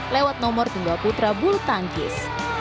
lewat nomor tunggaputra bultangkis